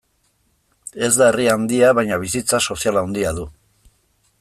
Ez da herri handia, baina bizitza sozial handia du.